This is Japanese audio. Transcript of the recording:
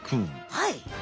はい。